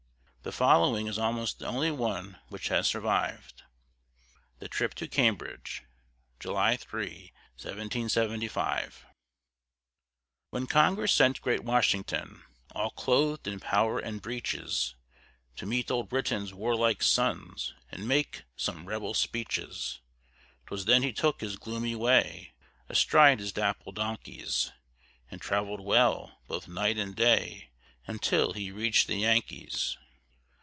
The following is almost the only one which has survived. THE TRIP TO CAMBRIDGE [July 3, 1775] When Congress sent great Washington All clothed in power and breeches, To meet old Britain's warlike sons And make some rebel speeches; 'Twas then he took his gloomy way Astride his dapple donkeys, And travelled well, both night and day, Until he reach'd the Yankees.